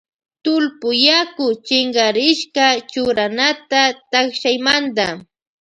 Tullpuyaku chinkarishka churanata takshaymanta.